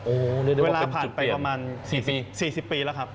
โอ้เรียกได้ว่าเป็นจุดเปลี่ยนสี่สิบสี่สิบปีแล้วครับ